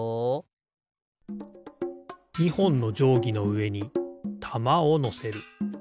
２ほんのじょうぎのうえにたまをのせる。